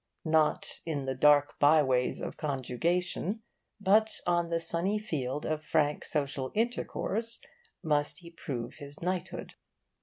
Not in the dark by ways of conjugation, but on the sunny field of frank social intercourse, must he prove his knighthood.